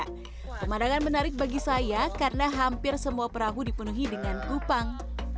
pemandangan menarik bagi saya karena hampir semua perahu dipenuhi dengan kupang